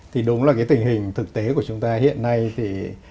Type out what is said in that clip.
thì đúng là cái tình hình thực tế của chúng ta hiện nay thì